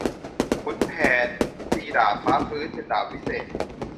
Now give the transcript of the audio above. ขุนแผนตีดาบฟ้าฟื้น เป็นดาบวิเศษ